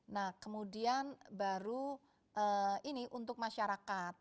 nah kemudian baru ini untuk masyarakat